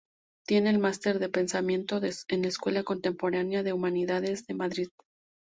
Tiene el máster de Pensamiento en Escuela Contemporánea de Humanidades de Madrid.